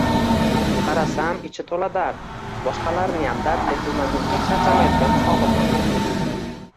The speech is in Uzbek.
Qarasam, ichi to’la dard, boshqalarniyam dardli qilmaguncha charchamaydigan chog’i bordek tuyuldi